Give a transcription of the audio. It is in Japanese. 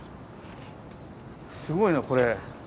すごいなこれ。